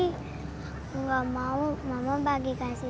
aku gak mau mama bagi kasih sayang